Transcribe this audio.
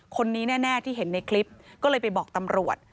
คนนี้แน่ที่เห็นในคลิปก็เลยไปบอกตำรวจ